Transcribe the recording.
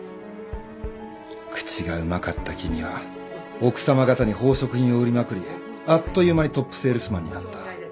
口がうまかった君は奥さま方に宝飾品を売りまくりあっという間にトップセールスマンになった。